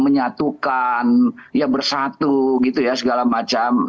menyatukan bersatu segala macam